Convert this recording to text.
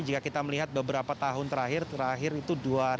jika kita melihat beberapa tahun terakhir terakhir itu dua ribu